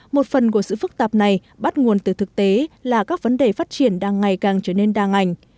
một phần của sự phức tạp này bắt nguồn từ thực tế là các vấn đề phát triển đang ngày càng trở nên đa ngành